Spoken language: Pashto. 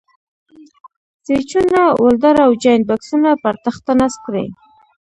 سویچونه، ولډر او جاینټ بکسونه پر تخته نصب کړئ.